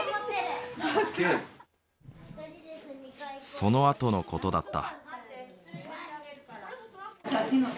そのあとのことだった。